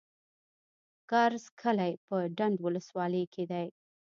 کرز کلی په ډنډ ولسوالۍ کي دی.